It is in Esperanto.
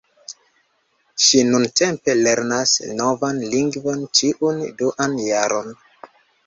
Ŝi nuntempe lernas novan lingvon ĉiun duan jaron.